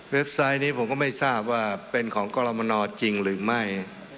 ไซต์นี้ผมก็ไม่ทราบว่าเป็นของกรมนจริงหรือไม่